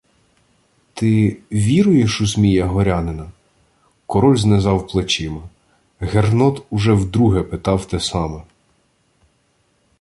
— Ти... віруєш у Змія Горянина? Король знизав плечима. Гернот уже вдруге питав те саме.